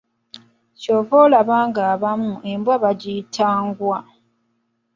Ky'ova olaba ng'abamu embwa bagiyita "Ngwa"